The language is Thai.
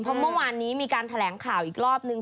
เพราะเมื่อวานนี้มีการแถลงข่าวอีกรอบนึง